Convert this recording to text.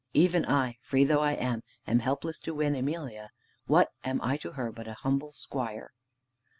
Even I, free though I am, am helpless to win Emelia. What am I to her but an humble squire?"